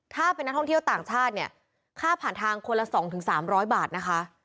ถ้าเป็นนักท่องเที่ยวต่างชาติเนี่ยค่าผ่านทางคนละ๒๓๐๐บาทนะคะ